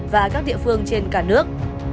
và các địa phương trên cả nước